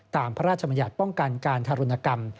พระราชมัญญัติป้องกันการทารุณกรรม